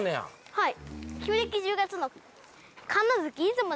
はい。